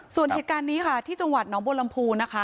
ส่วนเหตุการณ์นี้ค่ะที่จังหวัดน้องบัวลำพูนะคะ